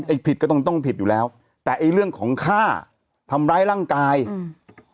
ผิดก็ต้องต้องผิดอยู่แล้วแต่ไอ้เรื่องของฆ่าทำร้ายร่างกายอืม